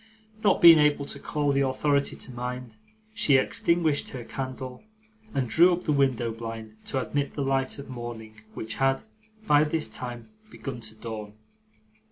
Not being able to call the authority to mind, she extinguished her candle, and drew up the window blind to admit the light of morning, which had, by this time, begun to dawn.